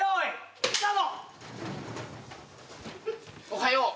おはよう。